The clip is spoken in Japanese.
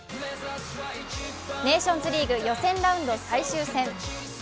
ネーションズリーグ予選ラウンド最終戦。